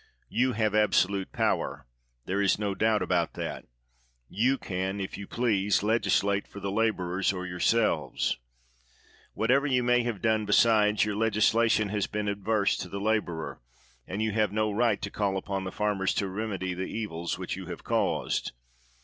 You have absolute power; there is no doubt about that. You can, if you please, legislate for the laborers, or yourselves. Whatever you may have done besides, your legis lation has been adverse to the laborer, and you have no right to call upon the farmers to rem edy the evils which you have caused.